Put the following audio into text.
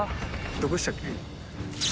どこでしたっけ？